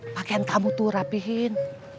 pakain kamu tuh rapihin